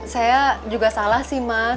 saya juga salah sih mas